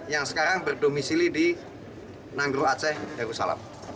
yang sekarang berdomisili di nanggro aceh yerusalam